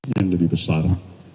yang lebih besar